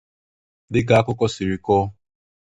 Dịka akụkọ siri kọọ